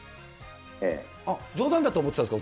冗談だと思ってたんですか？